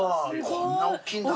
こんなおっきいんだ。